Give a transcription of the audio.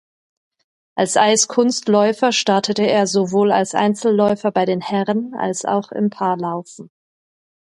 Als Eiskunstläufer startete er sowohl als Einzelläufer bei den Herren als auch im Paarlaufen.